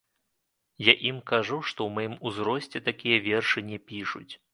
Я ім кажу, што ў маім узросце такія вершы не пішуць.